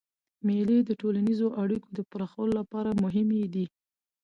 مېلې د ټولنیزو اړیکو د پراخولو له پاره مهمي دي.